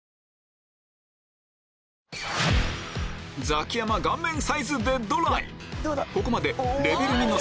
ザキヤマ顔面サイズデッドライン！